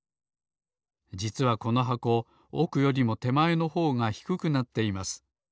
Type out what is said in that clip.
じつはこの箱おくよりもてまえのほうがひくくなっています。